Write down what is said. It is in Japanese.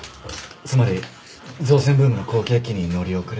つまり造船ブームの好景気に乗り遅れて。